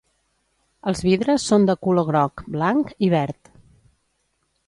Els vidres són de color groc, blanc i verd.